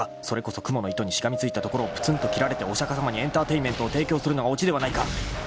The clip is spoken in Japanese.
［それこそクモの糸にしがみついたところをぷつんと切られてお釈迦様にエンターテインメントを提供するのがオチではないか！］